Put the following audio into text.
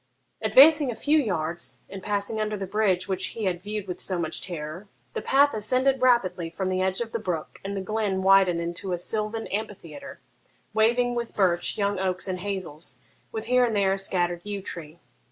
Advancing a few yards, and passing under the bridge which he had viewed with so much terror, the path ascended rapidly from the edge of the brook, and the glen widened into a sylvan amphitheatre, waving with birch, young oaks, and hazels, with here and there a scattered yew tree.